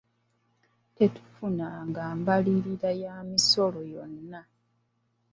Tetufunanga mbalirira ya misolo yonna.